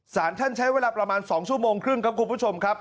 สารท่านใช้เวลาประมาณ๒ชั่วโมงครึ่งครับคุณผู้ชมครับ